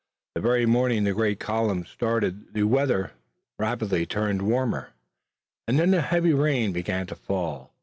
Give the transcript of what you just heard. The very morning the great column started the weather rapidly turned warmer, and then a heavy rain began to fall.